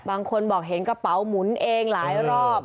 บางคนบอกเห็นกระเป๋าหมุนเองหลายรอบ